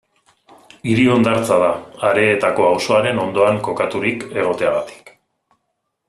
Hiri hondartza da, Areetako auzoaren ondoan kokaturik egoteagatik.